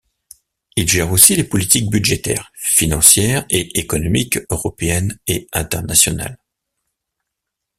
Il gère aussi les politiques budgétaire, financière et économique européennes et internationales.